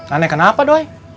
aneh kenapa doi